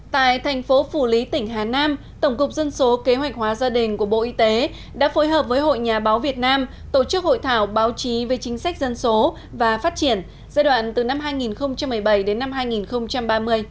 tại thành phố phủ lý tỉnh hà nam tổng cục dân số kế hoạch hóa gia đình của bộ y tế đã phối hợp với hội nhà báo việt nam tổ chức hội thảo báo chí về chính sách dân số và phát triển giai đoạn từ năm hai nghìn một mươi bảy đến năm hai nghìn ba mươi